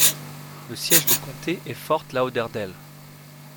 Le siège de comté est Fort Lauderdale.